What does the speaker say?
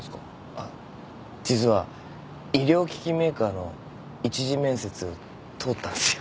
あっ実は医療機器メーカーの一次面接通ったんすよ。